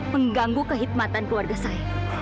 mengganggu kehidmatan keluarga saya